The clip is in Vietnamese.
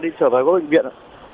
đi trở về bức bệnh viện